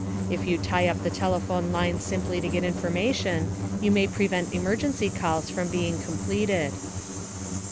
If you tie up the telephone lines simply to get information, you may prevent emergency calls from being completed.